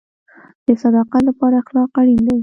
د صداقت لپاره اخلاق اړین دي